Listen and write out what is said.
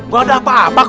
gak ada apa apa kok